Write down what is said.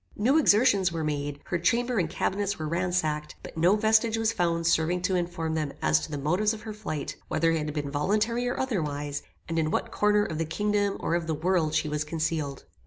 "New exertions were made, her chamber and cabinets were ransacked, but no vestige was found serving to inform them as to the motives of her flight, whether it had been voluntary or otherwise, and in what corner of the kingdom or of the world she was concealed.